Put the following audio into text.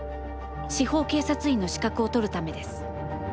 司法警察員の資格を取るためです。